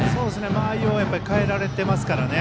間合いを変えられてますからね。